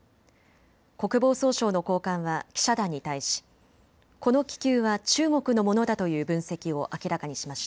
国防総省の高官は記者団に対しこの気球は中国のものだという分析を明らかにしました。